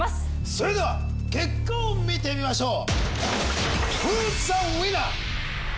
それでは結果を見てみましょう。